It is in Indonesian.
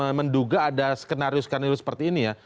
yang menduga ada skenario skenario seperti ini ya